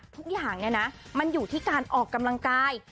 ทุกอย่างเนี่ยนะมันอยู่ที่การออกกำลังกาย